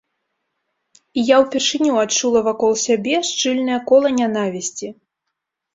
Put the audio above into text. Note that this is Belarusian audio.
І я ўпершыню адчула вакол сябе шчыльнае кола нянавісці.